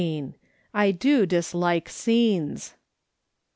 "/ DO DISLIKE SCENES."